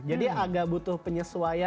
jadi agak butuh penyesuaian lah